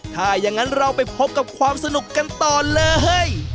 ถ้าอย่างนั้นเราไปพบกับความสนุกกันต่อเลย